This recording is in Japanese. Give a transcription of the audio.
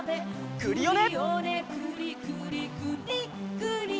クリオネ！